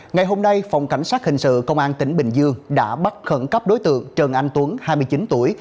ngày hôm nay phòng cảnh sát hình sự công an tỉnh bình dương đã bắt khẩn cấp đối tượng trần anh tuấn hai mươi chín tuổi